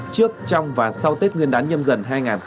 trước trong và sau tết nguyên đán nhâm dần hai nghìn hai mươi bốn